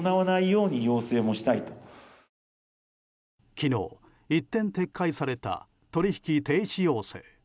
昨日、一転撤回された取引停止要請。